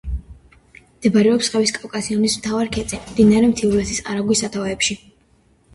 მდებარეობს ხევის კავკასიონის მთავარ ქედზე, მდინარე მთიულეთის არაგვის სათავეებში.